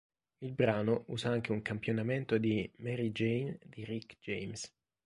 Il brano usa anche un campionamento di "Mary Jane" di Rick James.